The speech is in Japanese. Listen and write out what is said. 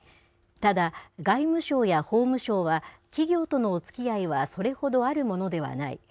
ただ、外務省や法務省は企業とのおつきあいはそれほどあるものではない。